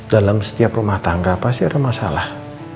dalam setiap rumah tangga pasti ada masalah